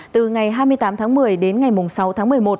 từ ngày hai mươi tám tháng một mươi đến ngày sáu tháng một mươi một